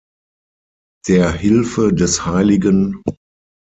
Der Hilfe des Hl.